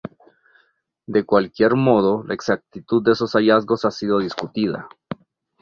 De cualquier modo, la exactitud de esos hallazgos ha sido discutida.